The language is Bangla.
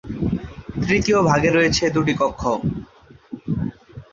তৃতীয় ভাগে রয়েছে দুটি কক্ষ।